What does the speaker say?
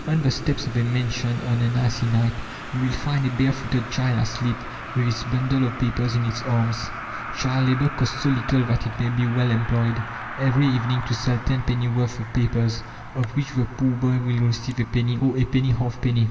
On the steps of a mansion on an icy night you will find a bare footed child asleep, with its bundle of papers in its arms ... child labour costs so little that it may be well employed, every evening, to sell tenpenny worth of papers, of which the poor boy will receive a penny, or a penny halfpenny.